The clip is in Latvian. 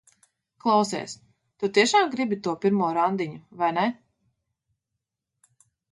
Klausies, tu tiešām gribi to pirmo randiņu, vai ne?